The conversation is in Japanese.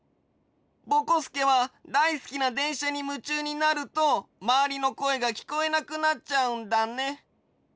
ぼこすけはだいすきなでんしゃにむちゅうになるとまわりのこえがきこえなくなっちゃうんだね。